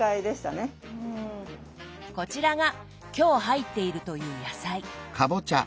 こちらが今日入っているという野菜。